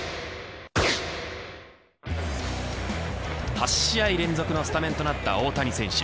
８試合連続のスタメンとなった大谷選手。